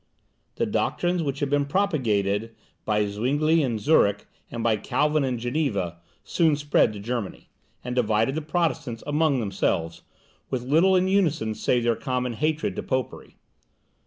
The doctrines which had been propagated by Zuingli in Zurich, and by Calvin in Geneva, soon spread to Germany, and divided the Protestants among themselves, with little in unison save their common hatred to popery.